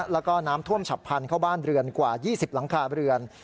แล้วก็น้ำท่วมฉับพันธุ์เข้าบ้านเรือนกว่า๒๐หลังคาเรือน